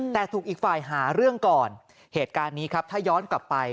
แต่ถูกอีกฝ่ายหาเรื่องก่อนเหตุการณ์นี้ครับถ้าย้อนกลับไป